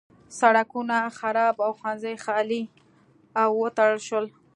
سړکونه خراب او ښوونځي خالي او وتړل شول.